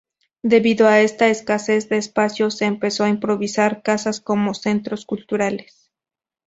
Debido a esta escasez de espacios se empezó a improvisar casas como centros culturales.